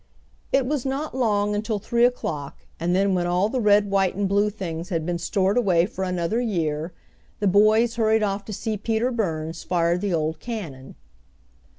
It was not long until three o'clock, and then when all the red white and blue things had been stored away for another year, the boys hurried off to see Peter Burns fire the old cannon.